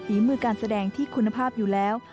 ฝีมือการแสดงที่คุณภาพอยู่แล้ว